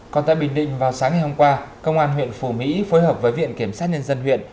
còn tại bình định vào sáng ngày hôm qua công an huyện phù mỹ phối hợp với viện kiểm sát nhân dân huyện